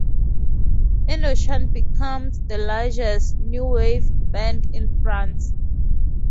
Indochine becomes the largest "new wave" band in france.